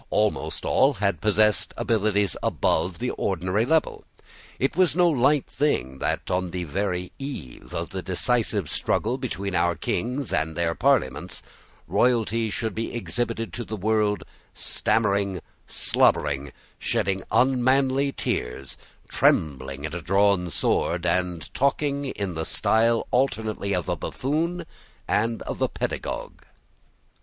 Almost all had possessed abilities above the ordinary level. It was no light thing that on the very eve of the decisive struggle between our Kings and their Parliaments, royalty should be exhibited to the world stammering, slobbering, shedding unmanly tears, trembling at a drawn sword, and talking in the style alternately of a buffoon and of a pedagogue.